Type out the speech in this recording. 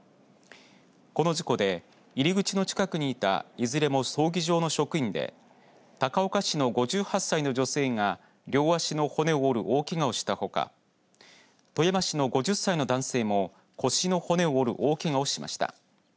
この事故で入り口の近くにいたいずれも葬儀場の職員で高岡市の５８歳の女性が両足の骨を折る大けがをしたほか富山市の５０歳の男性も腰の骨を折る大けがをしました。